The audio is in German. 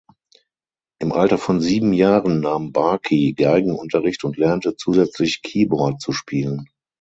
Im Alter von sieben Jahren nahm Barkey Geigenunterricht und lernte zusätzlich Keyboard zu spielen.